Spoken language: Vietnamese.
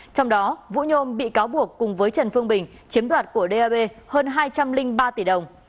trong đó vũ nhôm bị cáo buộc cùng với trần phương bình chiếm đoạt của dap hơn hai trăm linh ba tỷ đồng